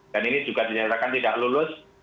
dan ini juga dinyatakan tidak lulus